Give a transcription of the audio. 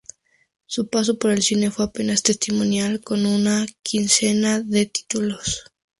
Su paso por el cine fue apenas testimonial, con una quincena de títulos.